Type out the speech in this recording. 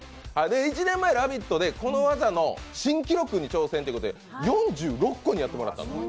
１年前、「ラヴィット！」でこの技の新記録に挑戦ということで４６個やってもらったんです。